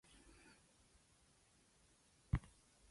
The reader must allow for this every time these words are used.